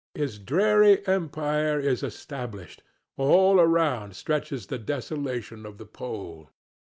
His dreary empire is established; all around stretches the desolation of the pole.